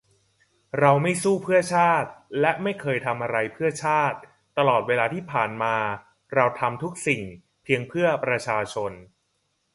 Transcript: เราไม่สู้เพื่อชาติและไม่เคยทำอะไรเพื่อชาติ ตลอดเวลาที่ผ่านมาเราทำทุกสิ่งเพียงเพื่อประชาชน